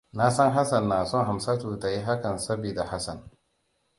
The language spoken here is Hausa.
Na san Hassan na son Hamsatu ta yi hakan sabida Hassan.